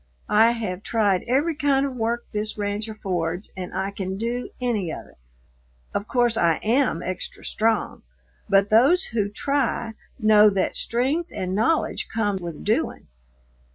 I have tried every kind of work this ranch affords, and I can do any of it. Of course I am extra strong, but those who try know that strength and knowledge come with doing.